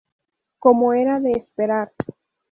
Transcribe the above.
Como era de esperar.